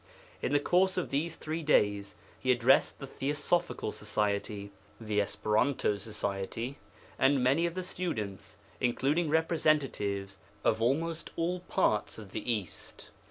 In the course of these three days He addressed the Theosophical Society, the Esperanto Society, and many of the students, including representatives of almost all parts of the East.